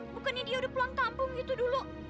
bukannya dia udah pulang kampung gitu dulu